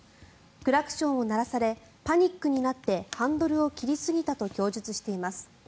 クラクションを鳴らされパニックになってハンドルを切りすぎたと供述しています。